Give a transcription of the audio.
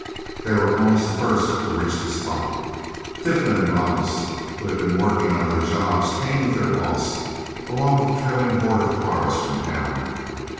They were almost the first to reach the spot. Tiflin and Ramos, who had been working on their jobs, came with their boss, along with a trailing horde of cars from town.